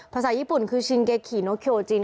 ภาษาญี่ปุ่นคือชิงเกคิโนเคโอจิน